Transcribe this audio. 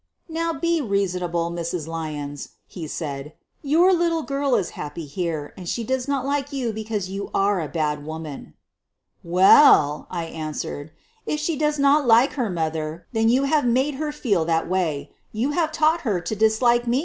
"Now, be reasonable, Mrs. Lyons," he said. "Your little girl is happy here, and she does not like you because you are a bad woman. '' "Well," I answered, "if she does not like her mother then you have made her feel that way ; you have taught her to dislike me."